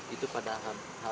itu pada hari